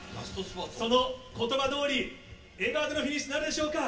そのことばどおり、笑顔でのフィニッシュとなるでしょうか。